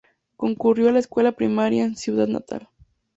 Concurrió a la Escuela primaria en su ciudad natal.